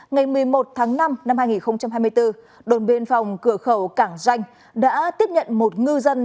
ngày một mươi một tháng năm năm hai nghìn hai mươi bốn đồn biên phòng cửa khẩu cảng danh đã tiếp nhận một ngư dân